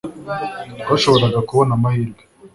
Twashoboraga kubona amahirwe